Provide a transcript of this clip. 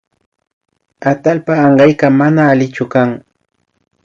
Atallpa ankayka mana allichu kan